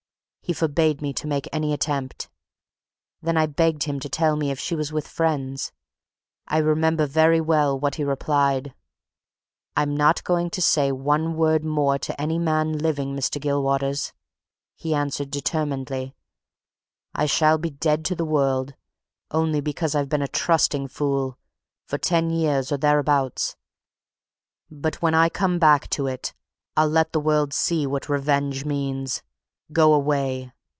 He forbade me to make any attempt. Then I begged him to tell me if she was with friends. I remember very well what he replied. 'I'm not going to say one word more to any man living, Mr. Gilwaters,' he answered determinedly. 'I shall be dead to the world only because I've been a trusting fool! for ten years or thereabouts, but, when I come back to it, I'll let the world see what revenge means! Go away!'